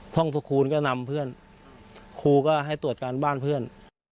ห้องพระคูณก็นำเพื่อนครูก็ให้ตรวจการบ้านเพื่อน